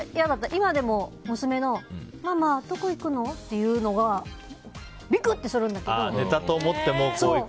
今でも、娘のママどこ行くの？っていうのがビクッてするんだけど。